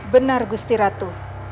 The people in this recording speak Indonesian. benar gusti ratu